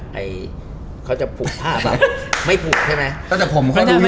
ให้ทิพเบียนะ